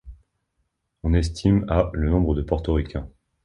On estime à le nombre de Portoricains.